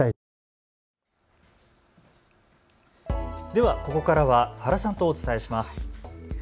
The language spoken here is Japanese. では、ここからは原さんとお伝えします。